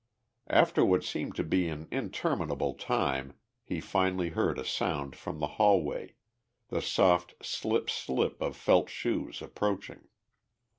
After what seemed to be an interminable time he finally heard a sound from the hallway the soft slip slip of felt shoes approaching.